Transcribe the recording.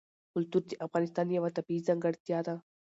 کلتور د افغانستان یوه طبیعي ځانګړتیا ده.